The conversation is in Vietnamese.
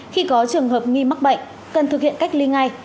khi có trường hợp nghi mắc bệnh cần thực hiện cách ly ngay